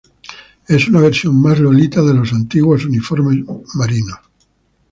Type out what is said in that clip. Es una versión más lolita de los antiguos uniformes marinos.